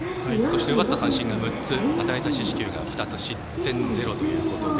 奪った三振が２つ四死球が２、失点０ということで